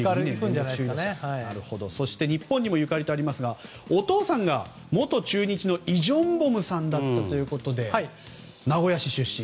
そして、日本にもゆかりとありますがお父さんが元中日のイ・ジョンボムさんだったということで名古屋市出身。